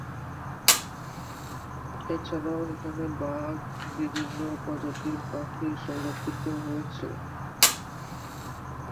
এছাড়াও এখানে বাঘ, বিভিন্ন প্রজাতির পাখি সংরক্ষিত হয়েছে।